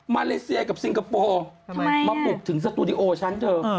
เลเซียกับซิงคโปร์มาปลุกถึงสตูดิโอฉันเธอ